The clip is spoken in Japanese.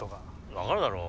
分かるだろう。